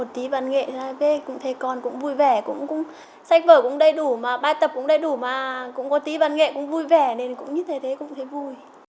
tí văn nghệ ra về cũng thấy con cũng vui vẻ sách vở cũng đầy đủ bài tập cũng đầy đủ mà cũng có tí văn nghệ cũng vui vẻ nên cũng như thế thế cũng thấy vui